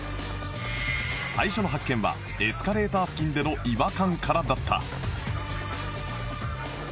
最初の発見はエスカレーター付近での違和感からだった